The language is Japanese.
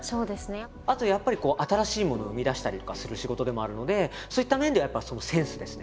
あとやっぱりこう新しいものを生み出したりとかする仕事でもあるのでそういった面ではやっぱセンスですね。